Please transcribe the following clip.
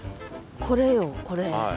これよこれ。